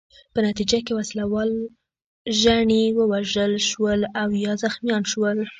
په نتیجه کې وسله وال ژڼي ووژل شول او یا زخمیان شول.